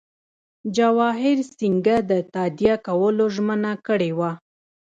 جواهر سینګه د تادیه کولو ژمنه کړې وه.